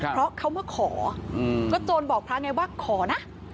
เพราะเขามาขอก็โจรบอกพระไงว่าขอนะ